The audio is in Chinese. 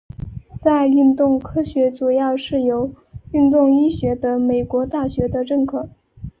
在运动科学主要是由运动医学的美国大学的认可。